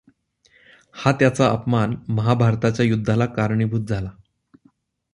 हा त्याचा अपमान महाभारताच्या युद्धाला कारणीभूत झाला.